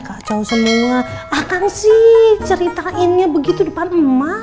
kacau semua akan sih ceritainnya begitu depan